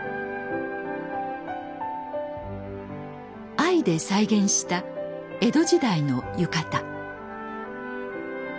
藍で再現した江戸時代の浴衣。